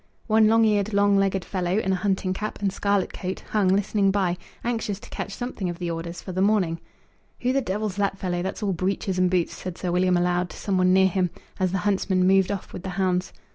One long eared, long legged fellow, in a hunting cap and scarlet coat, hung listening by, anxious to catch something of the orders for the morning. "Who the devil's that fellow, that's all breeches and boots?" said Sir William aloud to some one near him, as the huntsman moved off with the hounds.